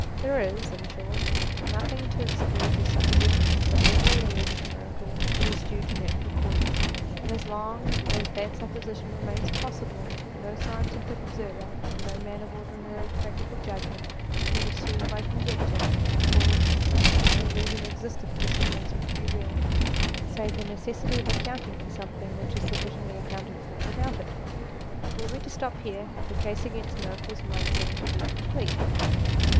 There is, in short, nothing to exclude the supposition that every alleged miracle was due to natural causes : and as long as that supposition remains possible, no scientific observer, and no man of ordinary practical judgment, would assume by conjecture a cause which no reason existed for supposing to be real, save the necessity of accounting for something which is sufficiently accounted for without it. Were we to stop here, the case against miracles might seem to be complete.